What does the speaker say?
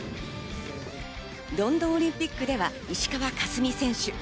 ロンドンオリンピックでは石川佳純選手。